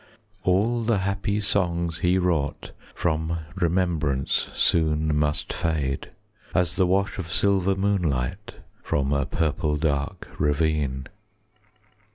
All the happy songs he wrought From remembrance soon must fade, As the wash of silver moonlight 15 From a purple dark ravine.